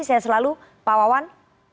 saya selalu pak wawan